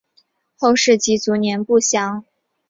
后事及卒年不详。